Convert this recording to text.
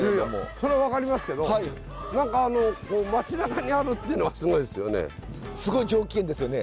それは分かりますけど何か街なかにあるっていうのがすごいですよね。